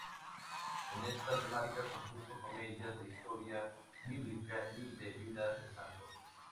En esta temática compuso comedias de historia bíblica y de vidas de santos.